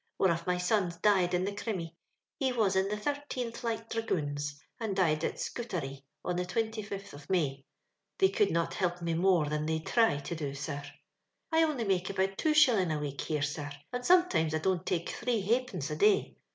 One of my sons died in the Crimmy; he was in the 10th Light Di>agoons, and tlied at Scutari, on the 25th of May. They could not hilp me more than they thry to do, sir. •* I only make about two shilling a week here, sir; and sometimes I don't take three ha'pence a day.